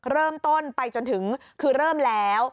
เริ่มต้นไปจนถึงคือเริ่มแล้ว